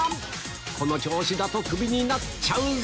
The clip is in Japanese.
この調子だとクビになっちゃうぞ